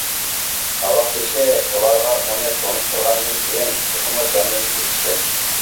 ساۋاقدىشى ئۇلارغا ئۇنى تونۇشتۇرغاندىن كېيىن تېخىمۇ جانلىنىپ كېتىشتى.